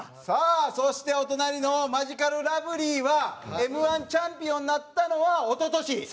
さあそしてお隣のマヂカルラブリーはＭ−１チャンピオンになったのは一昨年。